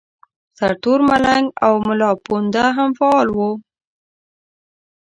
سرتور ملنګ او ملاپوونده هم فعال وو.